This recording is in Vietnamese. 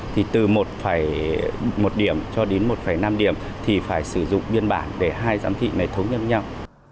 thì từ một điểm cho đến một năm điểm thì phải sử dụng biên bản để hai giám thị này thống nhất nhau